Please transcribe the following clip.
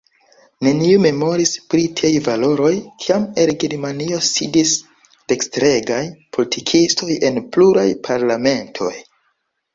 Neniu memoris pri tiaj valoroj, kiam en Germanio sidis dekstregaj politikistoj en pluraj parlamentoj.